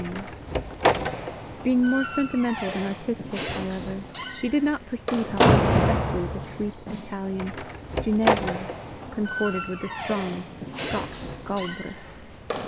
Being more sentimental than artistic, however, she did not perceive how imperfectly the sweet Italian Ginevra concorded with the strong Scotch Galbraith.